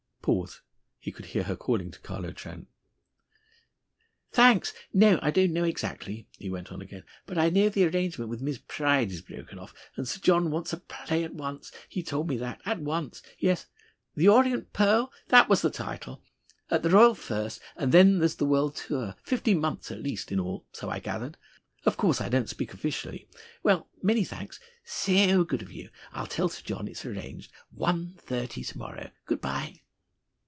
Pause. He could hear her calling to Carlo Trent. "Thanks. No, I don't know exactly," he went on again. "But I know the arrangement with Miss Pryde is broken off. And Sir John wants a play at once. He told me that. At once! Yes. 'The Orient Pearl.' That was the title. At the Royal first, and then the world's tour. Fifteen months at least, in all, so I gathered. Of course I don't speak officially. Well, many thanks. Saoo good of you. I'll tell Sir John it's arranged. One thirty to morrow. Good bye!"